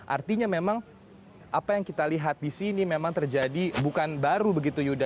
artinya memang apa yang kita lihat di sini memang terjadi bukan baru begitu yuda